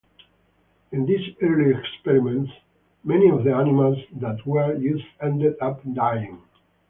In these early experiments, many of the animals that were used ended up dying.